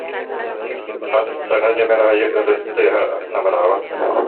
Хас саҥа нүөмэр аайы ытыс тыаһа намыраабат